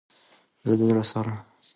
زه د زړه سم خو له دماغو ډېر خراب یم پام کوه!